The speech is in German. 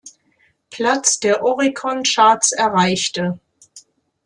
Platz der Oricon-Charts erreichte.